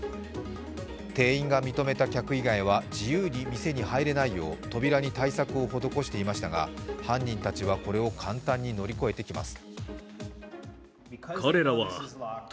店員が認めた客以外は自由に店に入れないよう扉に対策を施していましたが、犯人たちはこれを簡単に乗り越えてきます。